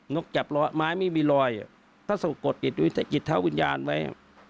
นกจับล้อไม้ไม่มีลอยอ่ะถ้าสกดกิดดูจะกิดเท่าวิญญาณไว้